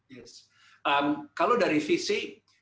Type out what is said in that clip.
ya kalau dari visi